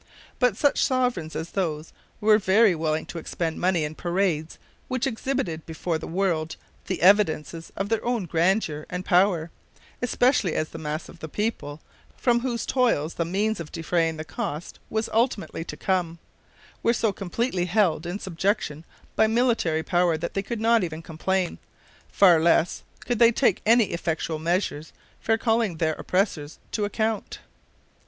But such sovereigns as those were very willing to expend money in parades which exhibited before the world the evidences of their own grandeur and power, especially as the mass of the people, from whose toils the means of defraying the cost was ultimately to come, were so completely held in subjection by military power that they could not even complain, far less could they take any effectual measures for calling their oppressors to account.